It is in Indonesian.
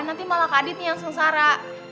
nanti malah kak adit yang sengsara